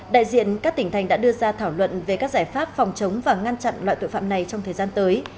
đại diện các tỉnh thành đã đưa ra thảo luận về các giải pháp phòng chống và ngăn chặn loại tội phạm này trong thời gian tới